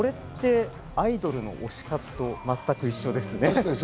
これってアイドルの推し活と全く一緒ですよね。